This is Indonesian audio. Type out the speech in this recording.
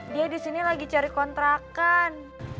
dia disini lagi cari kontrakan